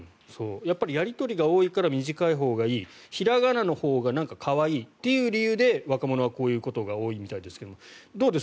やり取りが多いから短いほうがいい平仮名のほうが可愛いという理由で若者はこういうことが多いみたいですがどうです？